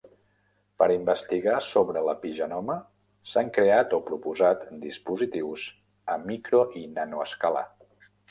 Per investigar sobre l'epigenoma s'han creat o proposat dispositius a micro i nanoescala.